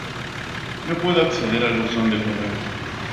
No puedo acceder al buzón de correo.